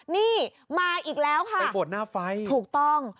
นี่มาอีกแล้วค่ะไปบวชหน้าไฟถูกต้อง